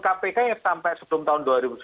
kpk sampai sebelum tahun dua ribu sembilan belas